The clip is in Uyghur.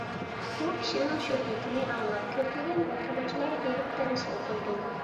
بۇ كىشىنىڭ شۆھرىتىنى ئاڭلاپ كۆپلىگەن ئوقۇغۇچىلار بېرىپ دەرس ئوقۇيدۇ.